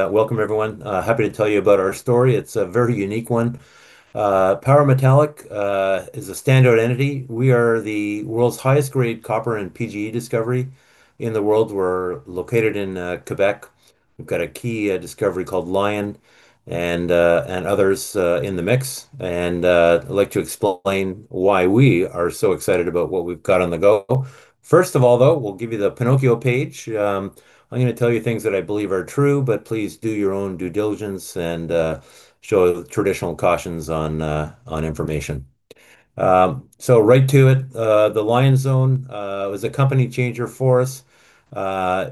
Welcome everyone. Happy to tell you about our story. It's a very unique one. Power Metallic is a standout entity. We are the world's highest grade copper and PGE discovery in the world. We're located in Quebec. We've got a key discovery called Lion and others in the mix. I'd like to explain why we are so excited about what we've got on the go. First of all, though, we'll give you the Pinocchio page. I'm going to tell you things that I believe are true, but please do your own due diligence and show traditional cautions on information. Right to it, the Lion Zone was a company changer for us.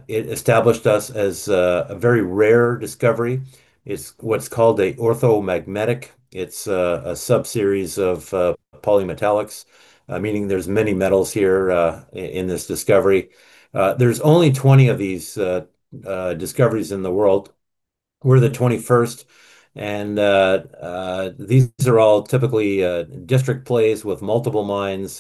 It established us as a very rare discovery. It's what's called a orthomagmatic. It's a sub-series of polymetallics, meaning there's many metals here in this discovery. There's only 20 of these discoveries in the world. We're the 21st. These are all typically district plays with multiple mines.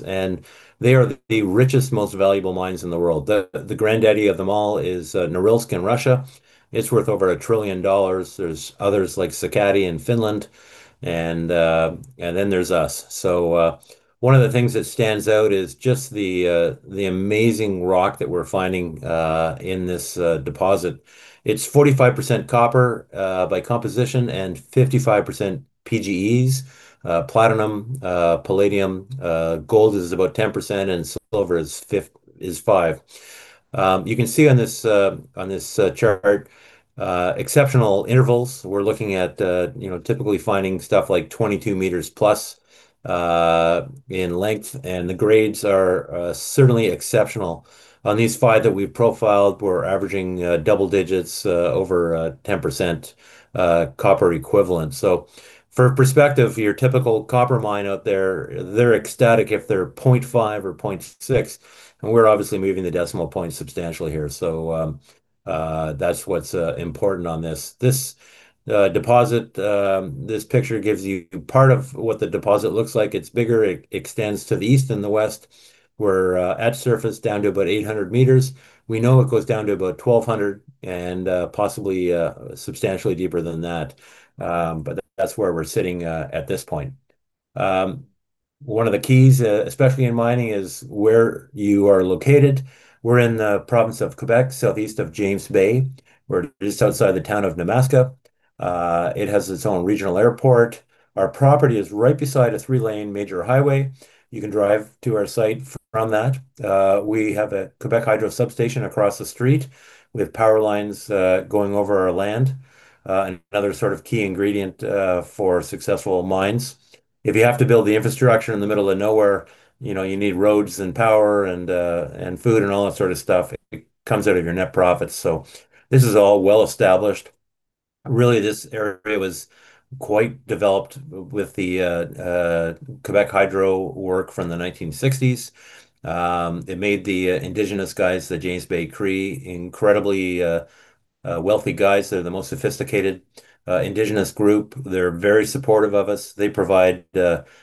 They are the richest, most valuable mines in the world. The granddaddy of them all is Norilsk in Russia. It's worth over $1 trillion. There's others like Sakatti in Finland. There's us. One of the things that stands out is just the amazing rock that we're finding in this deposit. It's 45% copper by composition, 55% PGEs, platinum, palladium, gold is about 10%, silver is 5%. You can see on this chart exceptional intervals. We're looking at typically finding stuff like 22 m+ in length. The grades are certainly exceptional. On these five that we've profiled, we're averaging double digits over 10% copper equivalent. For perspective, your typical copper mine out there, they're ecstatic if they're 0.5% or 0.6%, and we're obviously moving the decimal point substantially here. That's what's important on this. This deposit this picture gives you part of what the deposit looks like. It's bigger. It extends to the east and the west. We're at surface down to about 800 m. We know it goes down to about 1,200 m and possibly substantially deeper than that, but that's where we're sitting at this point. One of the keys, especially in mining, is where you are located. We're in the province of Quebec, southeast of James Bay. We're just outside the town of Nemaska. It has its own regional airport. Our property is right beside a three-lane major highway. You can drive to our site from that. We have a Quebec Hydro substation across the street with power lines going over our land. Another sort of key ingredient for successful mines. If you have to build the infrastructure in the middle of nowhere, you need roads and power and food and all that sort of stuff. It comes out of your net profits. This is all well established. Really, this area was quite developed with the Quebec Hydro work from the 1960s. It made the Indigenous guys, the James Bay Cree, incredibly wealthy guys. They're the most sophisticated Indigenous group. They're very supportive of us. They provide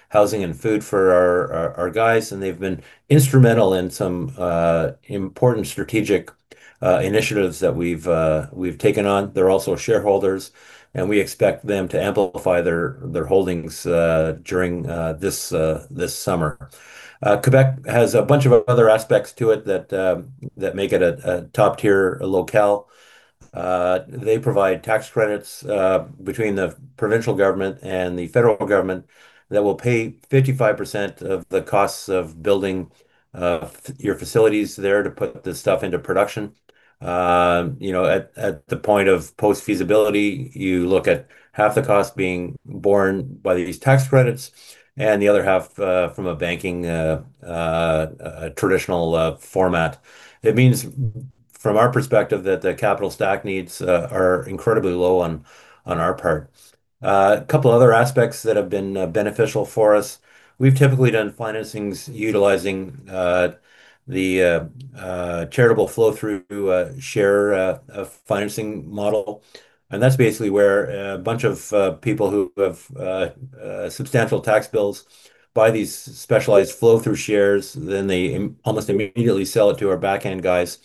housing and food for our guys, and they've been instrumental in some important strategic initiatives that we've taken on. They're also shareholders, and we expect them to amplify their holdings during this summer. Quebec has a bunch of other aspects to it that make it a top-tier locale. They provide tax credits between the provincial government and the federal government that will pay 55% of the costs of building your facilities there to put the stuff into production. At the point of post-feasibility, you look at half the cost being borne by these tax credits and the other half from a banking traditional format. It means, from our perspective, that the capital stack needs are incredibly low on our part. A couple other aspects that have been beneficial for us. We've typically done financings utilizing the charitable flow-through share of financing model, and that's basically where a bunch of people who have substantial tax bills buy these specialized flow-through shares, then they almost immediately sell it to our back-end guys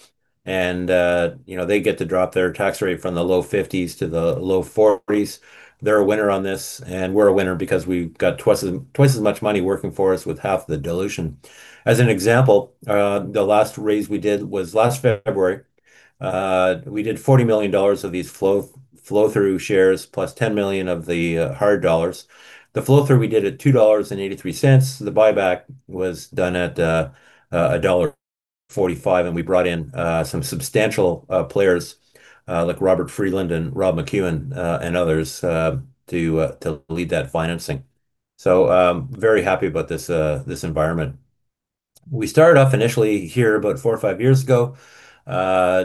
and they get to drop their tax rate from the low 50%s to the low 40%s. They're a winner on this, we're a winner because we got twice as much money working for us with half the dilution. As an example, the last raise we did was last February. We did 40 million dollars of these flow-through shares plus 10 million of the hard dollars. The flow-through we did at 2.83 dollars. The buyback was done at dollar 1.45, and we brought in some substantial players, like Robert Friedland and Rob McEwen and others, to lead that financing. Very happy about this environment. We started off initially here about four or five years ago. Our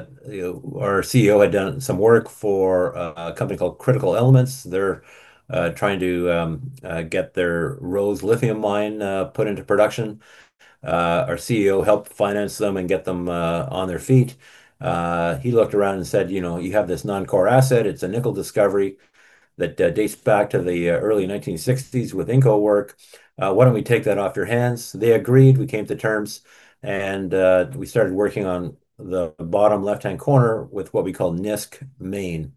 CEO had done some work for a company called Critical Elements. They're trying to get their Rose lithium mine put into production. Our CEO helped finance them and get them on their feet. He looked around and said, "You have this non-core asset. It's a nickel discovery that dates back to the early 1960s with Inco work. Why don't we take that off your hands? They agreed. We came to terms. We started working on the bottom left-hand corner with what we call Nisk Main.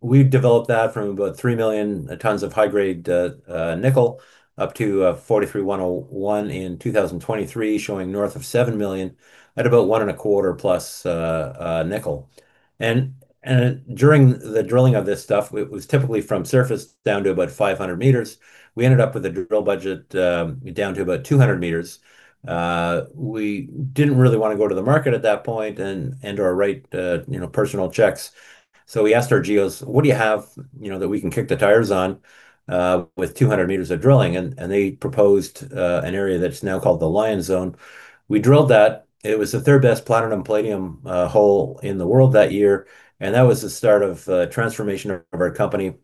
We've developed that from about 3 million tons of high-grade nickel up to 43-101 in 2023, showing north of 7 million at about one and a quarter-plus nickel. During the drilling of this stuff, it was typically from surface down to about 500 m. We ended up with a drill budget down to about 200 m. We didn't really want to go to the market at that point and write personal checks. We asked our geos, "What do you have that we can kick the tires on with 200 m of drilling?" They proposed an area that's now called the Lion Zone. We drilled that. It was the third-best platinum-palladium hole in the world that year. That was the start of the transformation of our company,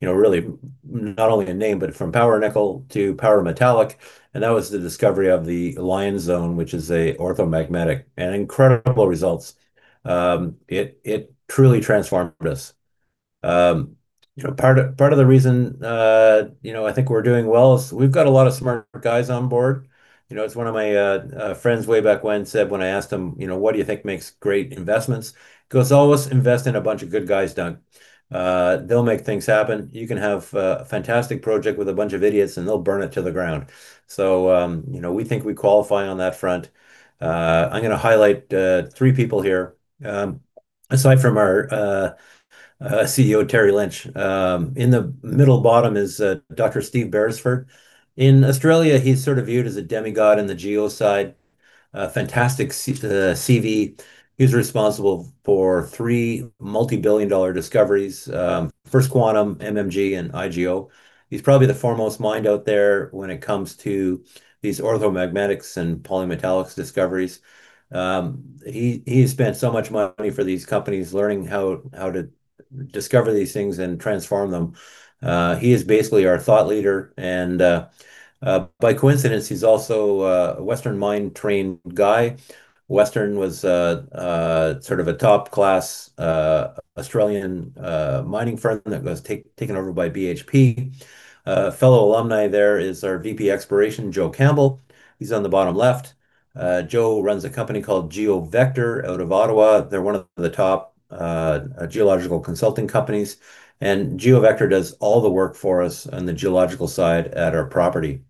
really not only in name, but from Power Nickel to Power Metallic. That was the discovery of the Lion Zone, which is a orthomagmatic. Incredible results. It truly transformed us. Part of the reason I think we're doing well is we've got a lot of smart guys on board. As one of my friends way back when said when I asked him, "What do you think makes great investments?" He goes, "Always invest in a bunch of good guys, Dun. They'll make things happen. You can have a fantastic project with a bunch of idiots, and they'll burn it to the ground." We think we qualify on that front. I'm going to highlight three people here aside from our CEO, Terry Lynch. In the middle bottom is Dr. Steve Beresford. In Australia, he's sort of viewed as a demigod in the geos side. Fantastic CV. He's responsible for three multi-billion dollar discoveries. First Quantum, MMG, and IGO. He's probably the foremost mind out there when it comes to these orthomagmatic and polymetallics discoveries. He has spent so much money for these companies, learning how to discover these things and transform them. He is basically our thought leader. By coincidence, he's also a Western Mining-trained guy. Western was a top-class Australian mining firm that was taken over by BHP. A fellow alumni there is our VP exploration, Joe Campbell. He's on the bottom left. Joe runs a company called GeoVector out of Ottawa. They're one of the top geological consulting companies. GeoVector does all the work for us on the geological side at our property.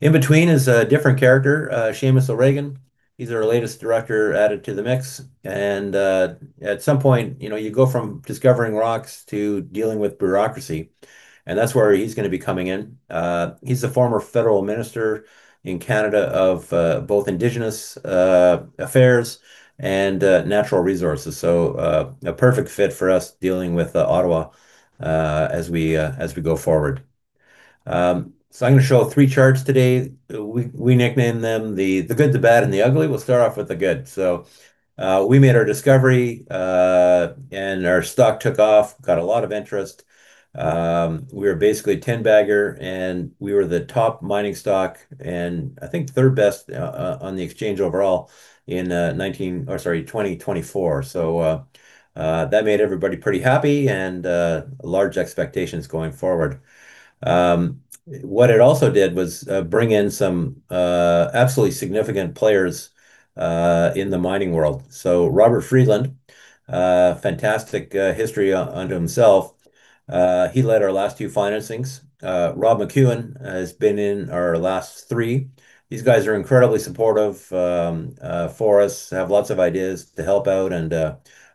In between is a different character, Seamus O'Regan. He's the latest director added to the mix. At some point, you go from discovering rocks to dealing with bureaucracy, and that's where he's going to be coming in. He's the former Federal Minister in Canada of both Indigenous Affairs and Natural Resources. A perfect fit for us dealing with Ottawa as we go forward. I'm going to show three charts today. We nicknamed them the good, the bad, and the ugly. We'll start off with the good. We made our discovery, and our stock took off, got a lot of interest. We were basically a 10-bagger, and we were the top mining stock, and I think third best on the exchange overall in 2024. That made everybody pretty happy and large expectations going forward. What it also did was bring in some absolutely significant players in the mining world. Robert Friedland, fantastic history unto himself. He led our last two financings. Rob McEwen has been in our last three. These guys are incredibly supportive for us, have lots of ideas to help out, and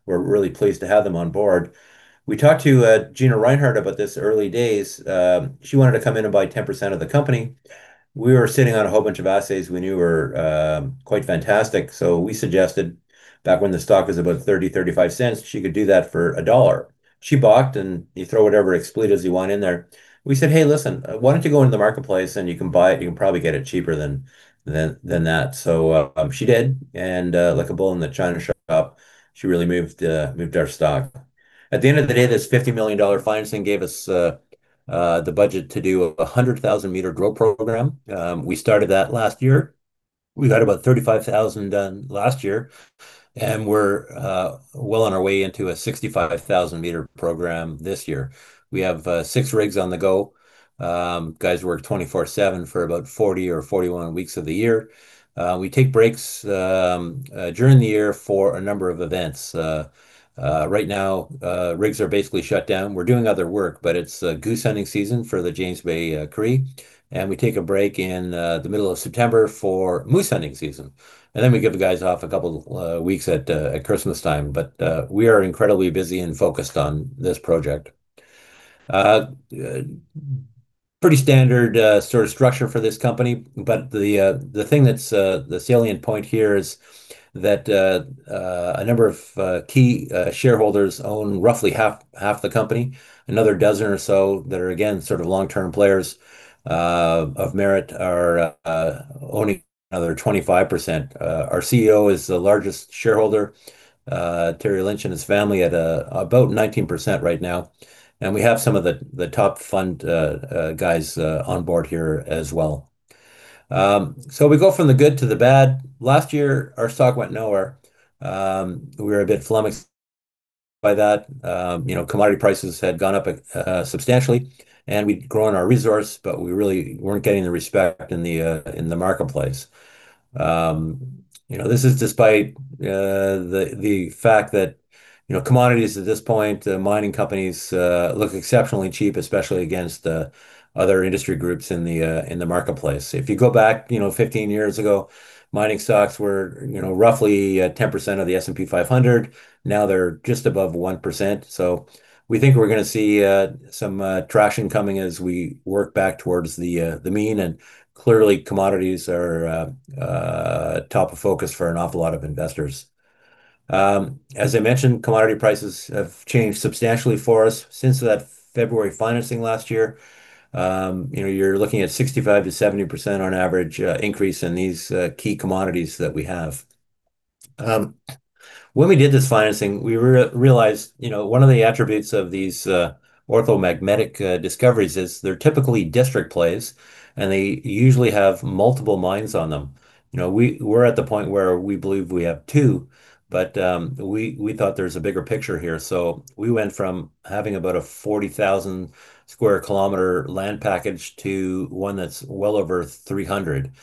we're really pleased to have them on board. We talked to Gina Rinehart about this early days. She wanted to come in and buy 10% of the company. We were sitting on a whole bunch of assays we knew were quite fantastic. We suggested back when the stock was about 0.30, 0.35, she could do that for CAD 1. She balked, you throw whatever expletives you want in there. We said, "Hey, listen, why don't you go into the marketplace, and you can buy it. You can probably get it cheaper than that." She did, and like a bull in the China shop, she really moved our stock. At the end of the day, this 50 million dollar financing gave us the budget to do a 100,000-m drill program. We started that last year. We got about 35,000 m done last year, and we're well on our way into a 65,000-m program this year. We have six rigs on the go. Guys work 24/7 for about 40 or 41 weeks of the year. We take breaks during the year for a number of events. Right now, rigs are basically shut down. We're doing other work, but it's goose hunting season for the James Bay Cree, and we take a break in the middle of September for moose hunting season. Then we give the guys off a couple weeks at Christmas time. We are incredibly busy and focused on this project. Pretty standard sort of structure for this company. The thing that's the salient point here is that a number of key shareholders own roughly half the company. Another dozen or so that are, again, long-term players of merit are owning another 25%. Our CEO is the largest shareholder, Terry Lynch and his family, at about 19% right now. We have some of the top fund guys on board here as well. We go from the good to the bad. Last year, our stock went nowhere. We were a bit flummoxed by that. Commodity prices had gone up substantially, and we'd grown our resource, but we really weren't getting the respect in the marketplace. This is despite the fact that commodities at this point, the mining companies look exceptionally cheap, especially against other industry groups in the marketplace. If you go back 15 years ago, mining stocks were roughly 10% of the S&P 500. Now they're just above 1%. We think we're going to see some traction coming as we work back towards the mean. Clearly, commodities are top of focus for an awful lot of investors. As I mentioned, commodity prices have changed substantially for us since that February financing last year. You're looking at 65%-70% on average increase in these key commodities that we have. When we did this financing, we realized one of the attributes of these orthomagmatic discoveries is they're typically district plays, and they usually have multiple mines on them. We're at the point where we believe we have two, but we thought there's a bigger picture here. We went from having about a 40,000 sq km land package to one that's well over 300,000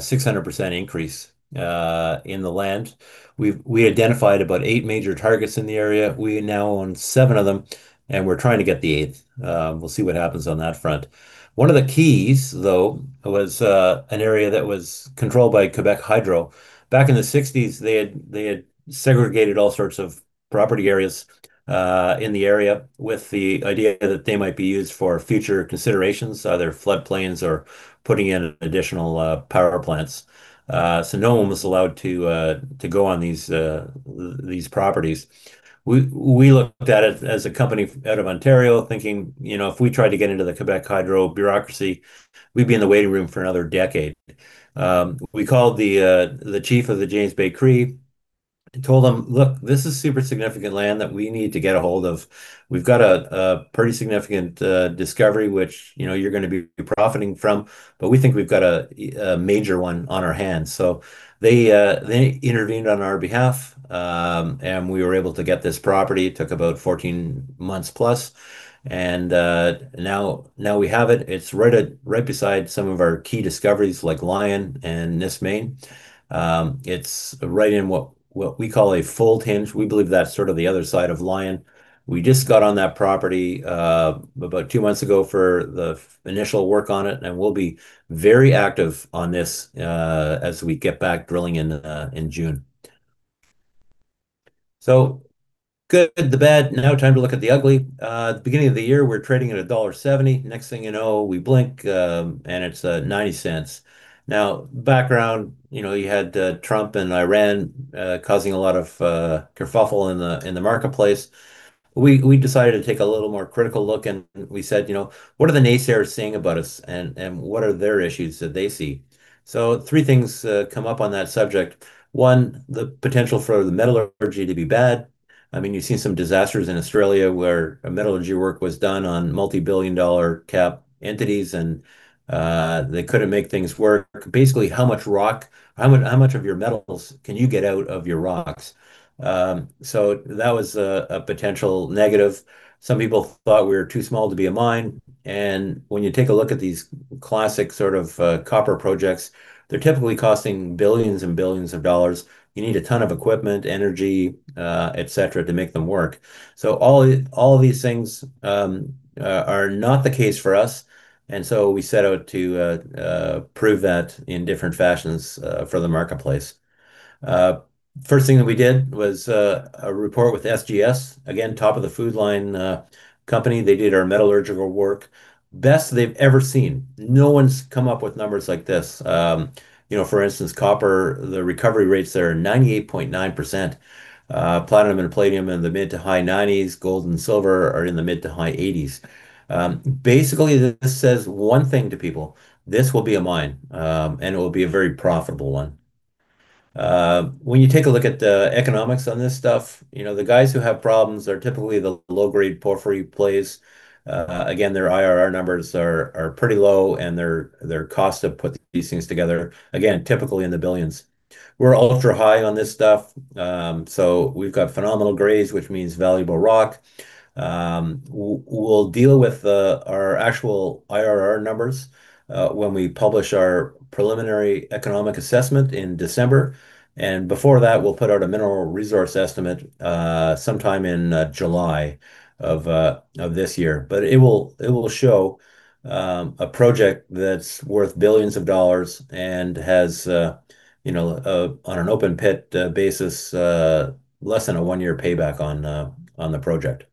sq km, 600% increase in the land. We identified about eight major targets in the area. We now own seven of them, and we're trying to get the eighth. We'll see what happens on that front. One of the keys, though, was an area that was controlled by Quebec Hydro. Back in the '60s, they had segregated all sorts of property areas in the area with the idea that they might be used for future considerations, either flood plains or putting in additional power plants. No one was allowed to go on these properties. We looked at it as a company out of Ontario thinking if we tried to get into the Quebec Hydro bureaucracy, we'd be in the waiting room for another decade. We called the chief of the James Bay Cree and told them, "Look, this is super significant land that we need to get a hold of. We've got a pretty significant discovery, which you're going to be profiting from, but we think we've got a major one on our hands." They intervened on our behalf, and we were able to get this property. It took about 14 months+. Now we have it. It's right beside some of our key discoveries like Lion and Nisk Main. It's right in what we call a fold hinge. We believe that's sort of the other side of Lion. We just got on that property about two months ago for the initial work on it, and we'll be very active on this as we get back drilling in June. Good, the bad. Now time to look at the ugly. At the beginning of the year, we're trading at dollar 1.70. Next thing you know, we blink and it's 0.90. Background, you had Trump and Iran causing a lot of kerfuffle in the marketplace. We decided to take a little more critical look and we said, "What are the naysayers saying about us and what are their issues that they see?" Three things come up on that subject. One, the potential for the metallurgy to be bad. You've seen some disasters in Australia where metallurgy work was done on multi-billion dollar cap entities and they couldn't make things work. Basically, how much of your metals can you get out of your rocks? That was a potential negative. Some people thought we were too small to be a mine, and when you take a look at these classic sort of copper projects, they're typically costing billions and billions of dollars. You need a ton of equipment, energy, et cetera, to make them work. All these things are not the case for us, and so we set out to prove that in different fashions for the marketplace. First thing that we did was a report with SGS. Again, top of the food line company. They did our metallurgical work. Best they've ever seen. No one's come up with numbers like this. For instance, copper, the recovery rates there are 98.9%. Platinum and palladium in the mid to high 90%s. Gold and silver are in the mid to high 80%s. Basically, this says one thing to people, this will be a mine, and it will be a very profitable one. When you take a look at the economics on this stuff, the guys who have problems are typically the low-grade porphyry plays. Again, their IRR numbers are pretty low and their cost to put these things together, again, typically in the billions. We're ultra high on this stuff. We've got phenomenal grades, which means valuable rock. We'll deal with our actual IRR numbers when we publish our preliminary economic assessment in December. Before that, we'll put out a mineral resource estimate sometime in July of this year. It will show a project that's worth billions of dollars and has, on an open pit basis, less than a one-year payback on the project.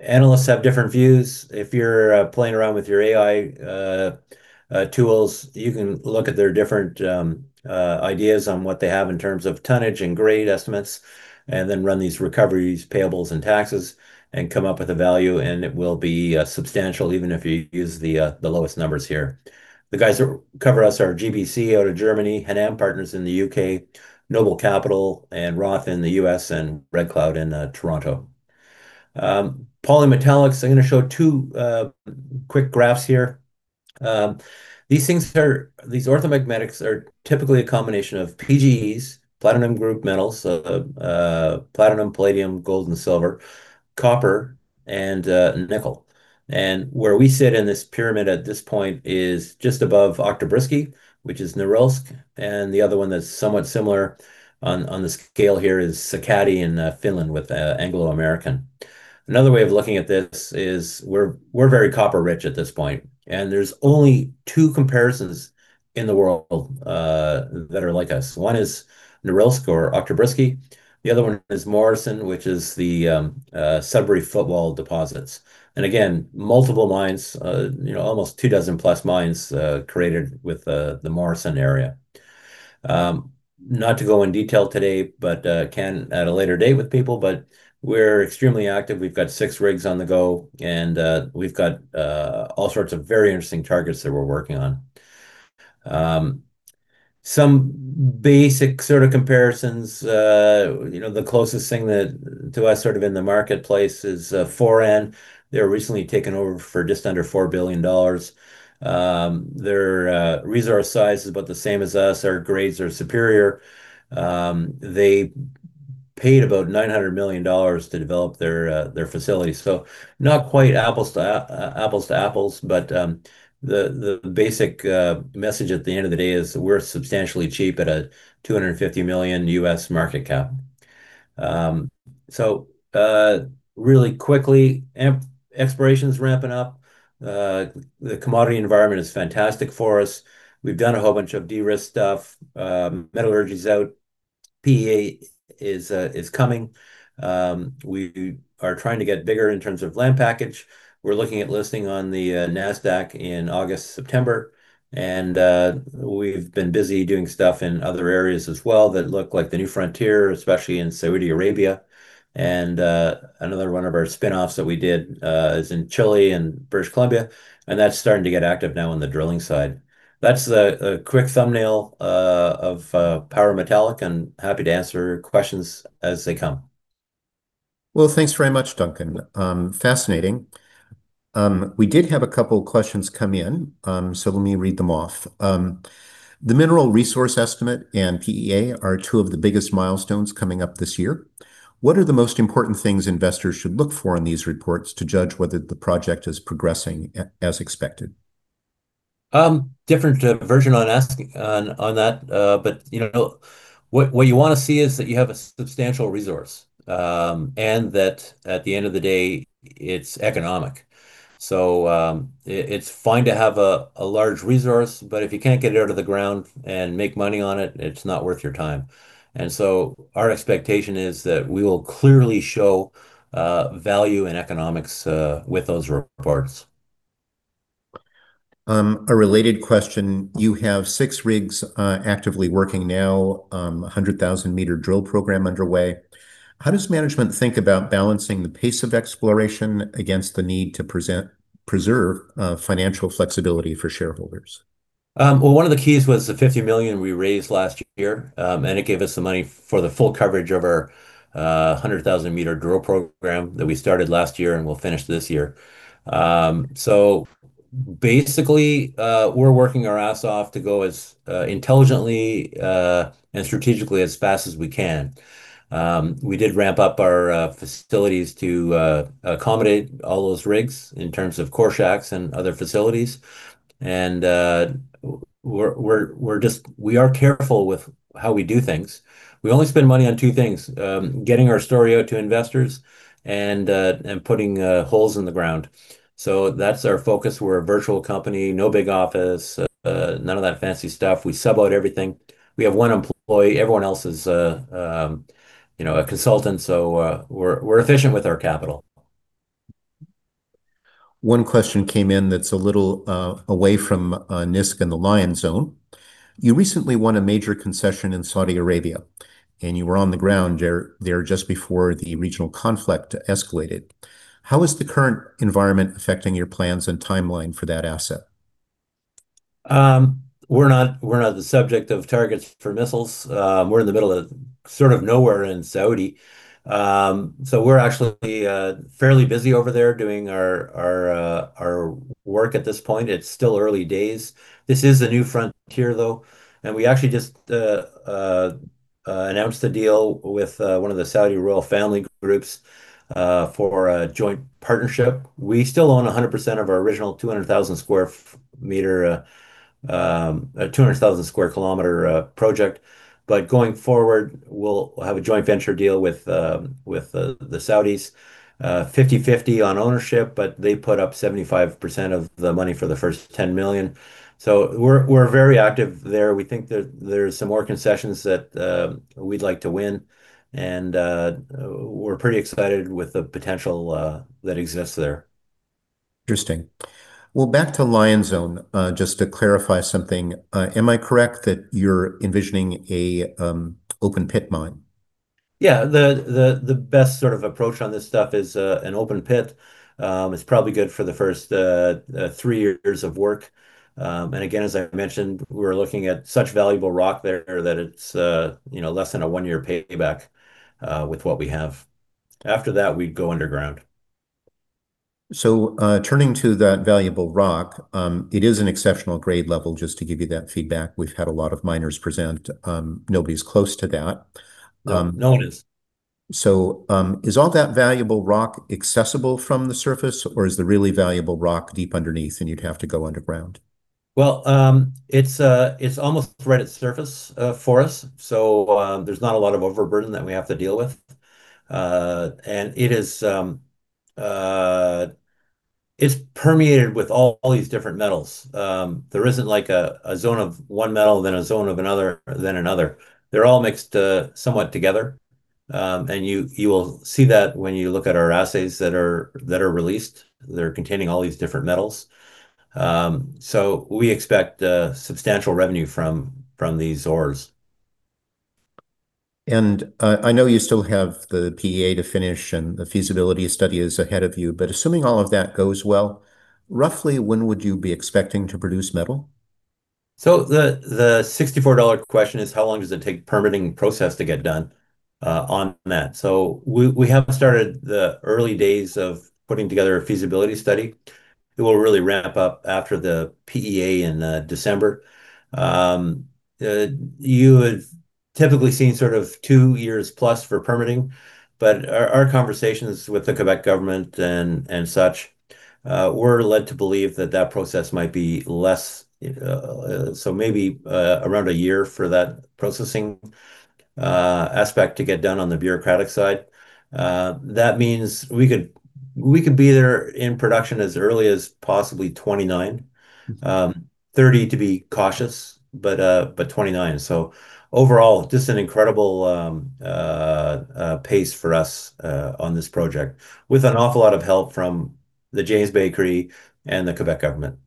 Analysts have different views. If you're playing around with your AI tools, you can look at their different ideas on what they have in terms of tonnage and grade estimates, then run these recoveries, payables, and taxes and come up with a value, and it will be substantial even if you use the lowest numbers here. The guys that cover us are GBC out of Germany, Hannam Partners in the U.K., Noble Capital and Roth in the U.S., and Red Cloud in Toronto. Polymetallics. I'm going to show two quick graphs here. These orthomagmatics are typically a combination of PGEs, platinum group metals, so platinum, palladium, gold, and silver, copper, and nickel. Where we sit in this pyramid at this point is just above Oktyabrsky, which is Norilsk, and the other one that's somewhat similar on the scale here is Sakatti in Finland with Anglo American. Another way of looking at this is we're very copper rich at this point, and there's only two comparisons in the world that are like us. One is Norilsk or Oktyabrsky. The other one is Morrison, which is the Sudbury Footwall deposits. Again, multiple mines, almost two dozen plus mines created with the Morrison area. Not to go in detail today, but can at a later date with people, but we're extremely active. We've got six rigs on the go, and we've got all sorts of very interesting targets that we're working on. Some basic comparisons. The closest thing to us sort of in the marketplace is Foran. They were recently taken over for just under 4 billion dollars. Their resource size is about the same as us. Our grades are superior. They paid about 900 million dollars to develop their facility. Not quite apples to apples, but the basic message at the end of the day is we're substantially cheap at a $250 million market cap. Really quickly, exploration's ramping up. The commodity environment is fantastic for us. We've done a whole bunch of de-risk stuff. Metallurgy is out. PEA is coming. We are trying to get bigger in terms of land package. We're looking at listing on the Nasdaq in August, September, and we've been busy doing stuff in other areas as well that look like the new frontier, especially in Saudi Arabia. Another one of our spinoffs that we did is in Chile and British Columbia, and that's starting to get active now on the drilling side. That's the quick thumbnail of Power Metallic, and happy to answer questions as they come. Well, thanks very much, Duncan. Fascinating. We did have a couple questions come in. Let me read them off. The mineral resource estimate and PEA are two of the biggest milestones coming up this year. What are the most important things investors should look for in these reports to judge whether the project is progressing as expected? Different version on that. What you want to see is that you have a substantial resource, and that at the end of the day, it's economic. It's fine to have a large resource, but if you can't get it out of the ground and make money on it's not worth your time. Our expectation is that we will clearly show value and economics with those reports. A related question. You have six rigs actively working now, 100,000-m drill program underway. How does management think about balancing the pace of exploration against the need to preserve financial flexibility for shareholders? Well, one of the keys was the 50 million we raised last year. It gave us the money for the full coverage of our 100,000-m drill program that we started last year and we'll finish this year. Basically, we're working our ass off to go as intelligently and strategically as fast as we can. We did ramp up our facilities to accommodate all those rigs in terms of core shacks and other facilities. We are careful with how we do things. We only spend money on two things: getting our story out to investors and putting holes in the ground. That's our focus. We're a virtual company. No big office, none of that fancy stuff. We sub out everything. We have one employee. Everyone else is a consultant. We're efficient with our capital. One question came in that is a little away from Nisk and the Lion Zone. You recently won a major concession in Saudi Arabia, and you were on the ground there just before the regional conflict escalated. How is the current environment affecting your plans and timeline for that asset? We're not the subject of targets for missiles. We're in the middle of sort of nowhere in Saudi. We're actually fairly busy over there doing our work at this point. It's still early days. This is a new frontier, though, we actually just announced a deal with one of the Saudi royal family groups for a joint partnership. We still own 100% of our original 200,000 sq km project. Going forward, we'll have a joint venture deal with the Saudis, 50/50 on ownership, they put up 75% of the money for the first 10 million. We're very active there. We think there's some more concessions that we'd like to win. We're pretty excited with the potential that exists there. Interesting. Well, back to Lion Zone, just to clarify something. Am I correct that you're envisioning a open pit mine? Yeah. The best sort of approach on this stuff is an open pit. It's probably good for the first three years of work. Again, as I mentioned, we're looking at such valuable rock there that it's less than a one-year payback with what we have. After that, we'd go underground. Turning to that valuable rock, it is an exceptional grade level, just to give you that feedback. We've had a lot of miners present. Nobody's close to that. No one is. Is all that valuable rock accessible from the surface, or is the really valuable rock deep underneath and you'd have to go underground? It's almost right at surface for us, so there's not a lot of overburden that we have to deal with. It's permeated with all these different metals. There isn't a zone of one metal, then a zone of another, then another. They're all mixed somewhat together. You will see that when you look at our assays that are released. They're containing all these different metals. We expect substantial revenue from these ores. I know you still have the PEA to finish and the feasibility study is ahead of you, but assuming all of that goes well, roughly when would you be expecting to produce metal? The 64 dollar question is, how long does it take permitting process to get done on that? We have started the early days of putting together a feasibility study that will really ramp up after the PEA in December. You would typically seen sort of two years plus for permitting, but our conversations with the Quebec government and such, we're led to believe that that process might be less. Maybe around one year for that processing aspect to get done on the bureaucratic side. That means we could be there in production as early as possibly 2029. 2030 to be cautious, 2029. Overall, just an incredible pace for us on this project with an awful lot of help from the James Bay Cree and the Quebec government.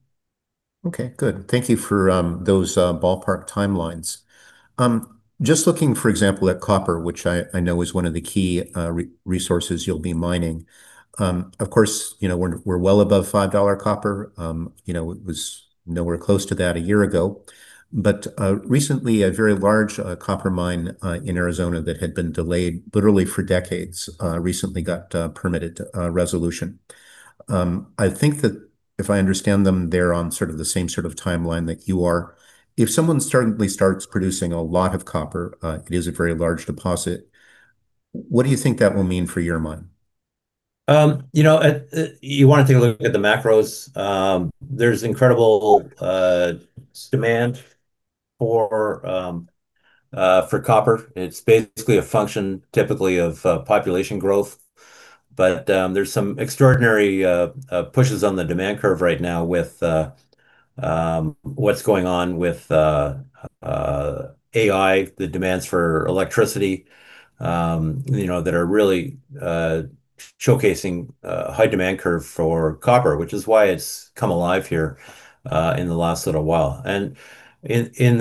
Okay, good. Thank you for those ballpark timelines. Just looking, for example, at copper, which I know is one of the key resources you'll be mining. Of course, we're well above 5 dollar copper. It was nowhere close to that a year ago. Recently, a very large copper mine in Arizona that had been delayed literally for decades recently got permitted resolution. I think that if I understand them, they're on sort of the same sort of timeline that you are. If someone suddenly starts producing a lot of copper, it is a very large deposit, what do you think that will mean for your mine? You want to take a look at the macros. There's incredible demand for copper, and it's basically a function typically of population growth. There's some extraordinary pushes on the demand curve right now with what's going on with AI, the demands for electricity, that are really showcasing a high demand curve for copper, which is why it's come alive here in the last little while. In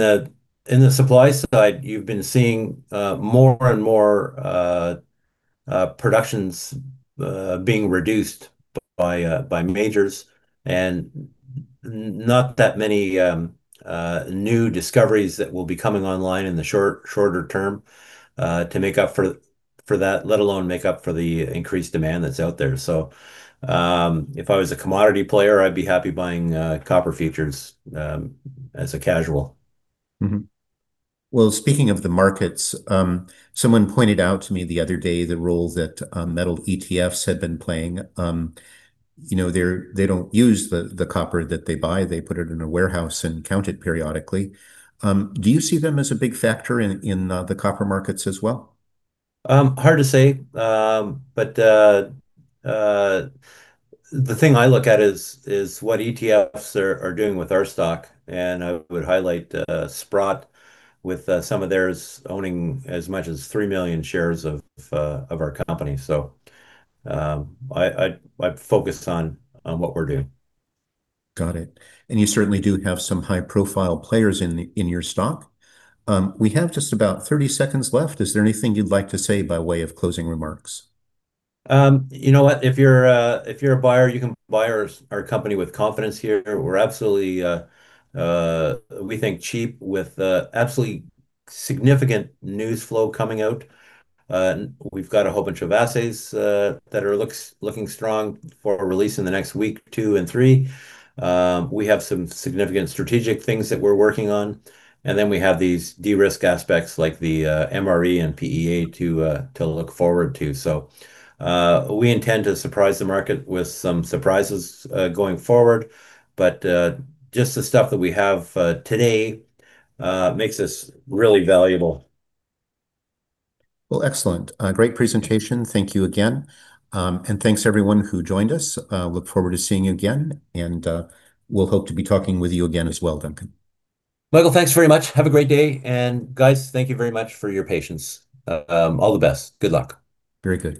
the supply side, you've been seeing more and more productions being reduced by majors and not that many new discoveries that will be coming online in the shorter term to make up for that, let alone make up for the increased demand that's out there. If I was a commodity player, I'd be happy buying copper futures as a casual. Well, speaking of the markets, someone pointed out to me the other day the role that metal ETFs had been playing. They don't use the copper that they buy. They put it in a warehouse and count it periodically. Do you see them as a big factor in the copper markets as well? Hard to say. The thing I look at is what ETFs are doing with our stock, and I would highlight Sprott with some of theirs owning as much as 3 million shares of our company. I'd focus on what we're doing. Got it. You certainly do have some high-profile players in your stock. We have just about 30 seconds left. Is there anything you'd like to say by way of closing remarks? You know what? If you're a buyer, you can buy our company with confidence here. We're absolutely, we think cheap with absolutely significant news flow coming out. We've got a whole bunch of assays that are looking strong for release in the next week, two, and three. We have some significant strategic things that we're working on. We have these de-risk aspects like the MRE and PEA to look forward to. We intend to surprise the market with some surprises going forward. Just the stuff that we have today makes us really valuable. Well, excellent. Great presentation. Thank you again. Thanks everyone who joined us. Look forward to seeing you again, and we'll hope to be talking with you again as well, Duncan. Michael, thanks very much. Have a great day. Guys, thank you very much for your patience. All the best. Good luck. Very good.